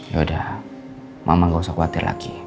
yaudah mama gak usah khawatir lagi